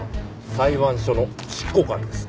裁判所の執行官です。